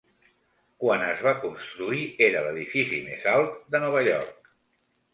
Quan es va construir, era l'edifici més alt de Nova York.